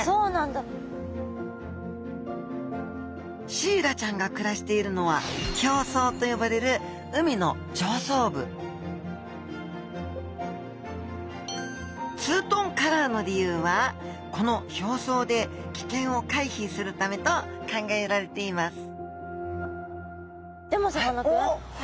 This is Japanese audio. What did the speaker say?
シイラちゃんが暮らしているのは表層と呼ばれる海の上層部ツートンカラーの理由はこの表層で危険を回避するためと考えられていますでもさかなクン。